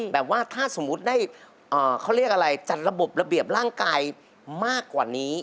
แบบว่าถ้าสมมุติได้เขาเรียกอะไรจัดระบบระเบียบร่างกายมากกว่านี้